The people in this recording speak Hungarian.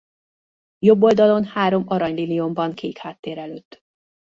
Jobb oldalon három arany liliom van kék háttér előtt.